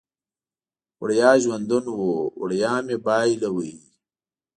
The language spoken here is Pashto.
وړیا ژوندون و، وړیا مې بایلود